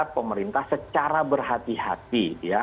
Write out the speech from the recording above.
pemerintah secara berhati hati